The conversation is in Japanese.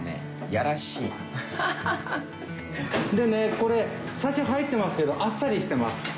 でねこれさし入ってますけどあっさりしてます。